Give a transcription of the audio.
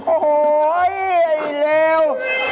โอ้โหไอ้เลว